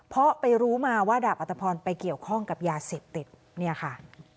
เพราะไปรู้มาว่าดาบอัตภพรไปเกี่ยวข้องกับยาเสพติดเนี่ยค่ะ